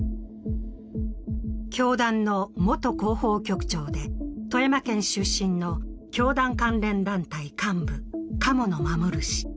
教団の元広報局長で、富山県出身の教団関連団体幹部・鴨野守氏。